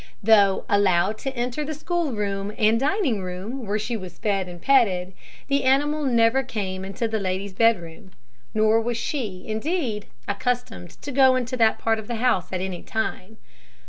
Though allowed to enter the school room and dining room, where she was fed and petted, the animal never came into the lady's bed room; nor was she, indeed, accustomed to go into that part of the house at any time.